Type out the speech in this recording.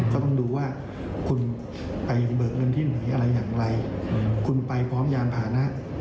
ก็ต้องดูว่าคุณไปเบิกเงินที่ไหนอะไรอย่างไรคุณไปพร้อมยานพานะ